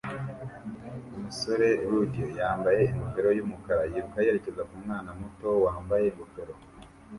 Umusore rodeo yambaye ingofero yumukara yiruka yerekeza kumwana muto wambaye ingofero